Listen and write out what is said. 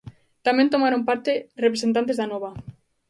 Tamén tomaron parte representantes de Anova.